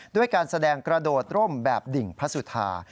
ด้วยการแสดงกระโดดร่มแบบดิ่งพระสุธา